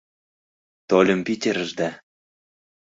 — Тольым Питерыш да...